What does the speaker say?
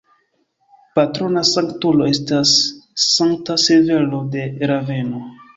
Patrona sanktulo estas Sankta Severo de Raveno.